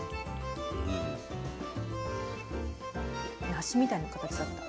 梨みたいな形だった。